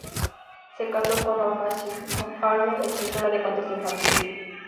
Se casó con Norma C. Farber, escritora de cuentos infantiles.